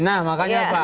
nah makanya pak